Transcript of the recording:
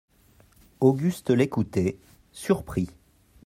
Auguste l'écoutait, surpris.